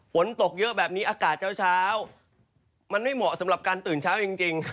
ฝนตกเยอะแบบนี้อากาศเช้ามันไม่เหมาะสำหรับการตื่นเช้าจริง